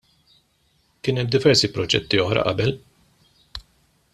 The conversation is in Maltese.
Kien hemm diversi proġetti oħra qabel.